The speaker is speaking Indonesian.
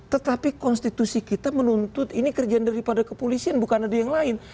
tetapi konstitusi kita menuntut ini kerjaan daripada kepolisian bukan ada yang lain